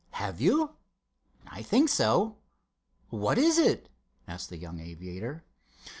"Have you?" "I think so." "What is it?" asked the young aviator.